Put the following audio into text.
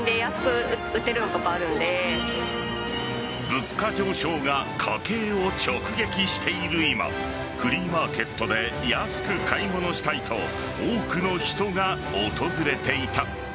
物価上昇が家計を直撃している今フリーマーケットで安く買い物したいと多くの人が訪れていた。